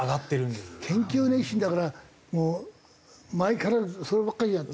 研究熱心だからもう前からそればっかりやって。